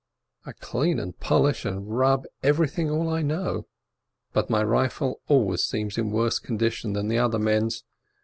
I clean and polish and rub everything all I know, but my rifle always seems in worse condition than the other men's.